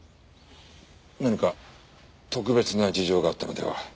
何か特別な事情があったのでは？